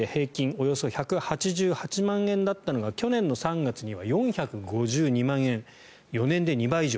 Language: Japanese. およそ１８８万円だったのが去年３月には４５２万円４年で２倍以上。